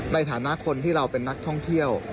ในฐานะคนที่เราเป็นนักท่องเที่ยว